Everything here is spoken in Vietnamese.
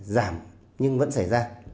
giảm nhưng vẫn xảy ra